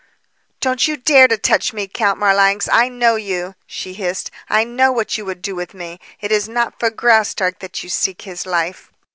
"Don't you dare to touch me, Count Marlanx. I know you!" she hissed. "I know what you would do with me. It is not for Graustark that you seek his life."